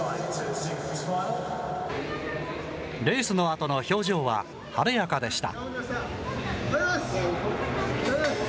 レースのあとの表情は晴れやかでした。